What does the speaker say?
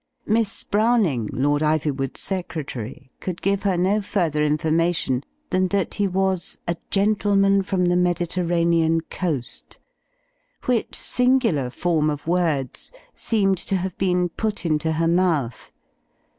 Miss Browning, Lord Ivywood's secretary, could give her no further information than that he was a gentleman from the Mediterranean coast; which singular form of words seemed to have been put into her mouth.